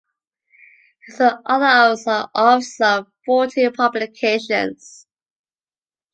He is the author of some forty publications.